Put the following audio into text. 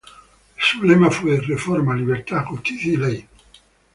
Su lema fue: ""Reforma, Libertad, Justicia y Ley"".